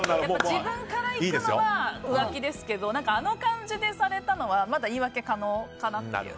自分からいくのは浮気ですけどあの感じでされたのはまだ言い訳可能かなっていう。